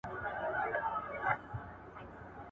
مات به د پانوس کړو نامحرمه دوږخي سکوت !.